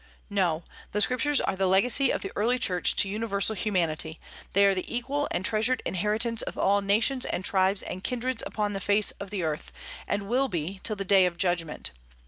"No, the Scriptures are the legacy of the early Church to universal humanity; they are the equal and treasured inheritance of all nations and tribes and kindreds upon the face of the earth, and will be till the day of judgment.